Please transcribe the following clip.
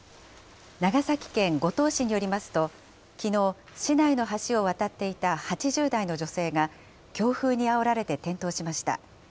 長崎県五島市によりますと、きのう、市内の橋を渡っていた８０代の女性が、強風にあおられて転倒しました。